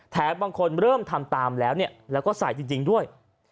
บางคนเริ่มทำตามแล้วเนี่ยแล้วก็ใส่จริงด้วย